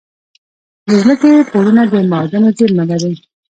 د ځمکې پوړونه د معادنو زیرمه لري.